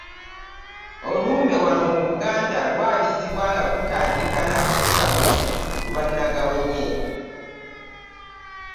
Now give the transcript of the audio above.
Olumbe wano mu Buganda lwabizibwa nga lutandika na kusulwamu ku lwa Nagawonye.